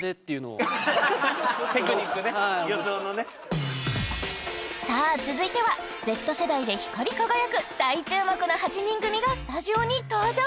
テクニックね予想のねさあ続いてはＺ世代で光り輝く大注目の８人組がスタジオに登場！